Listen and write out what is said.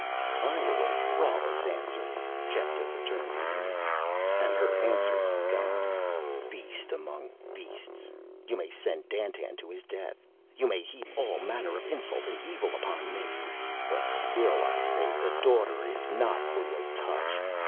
"I await Thrala's answer," Kepta returned evenly. And her answer he got. "Beast among beasts, you may send Dandtan to his death, you may heap all manner of insult and evil upon me, but still I say the Daughter is not for your touch.